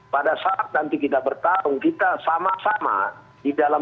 pada saat nanti kita bertahun tahun kita seharusnya membangun persepsi kebangsaan